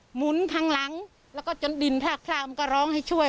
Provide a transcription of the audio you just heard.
หมุนทางหลังแล้วก็จนดินพลาดมันก็ร้องให้ช่วย